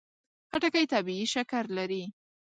خټکی طبیعي شکر لري.